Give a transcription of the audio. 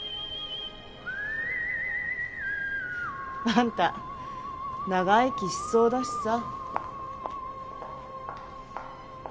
あんた長生きしそうだしさ。